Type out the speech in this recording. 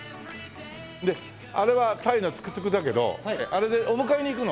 であれはタイのトゥクトゥクだけどあれでお迎えに行くの？